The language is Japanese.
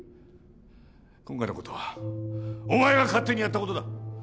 今回のことはお前が勝手にやったことだッ